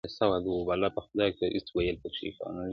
حکمتونه د لقمان دي ستا مرحم مرحم کتو کي،